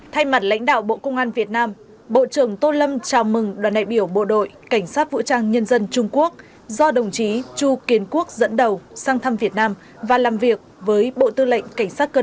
thay mặt lãnh đạo bộ công an việt nam bộ trưởng tô lâm chào mừng đoàn đại biểu bộ đội cảnh sát vũ trang nhân dân trung quốc do đồng chí chu kiến quốc dẫn đầu sang thăm việt nam và làm việc với bộ tư lệnh cảnh sát cơ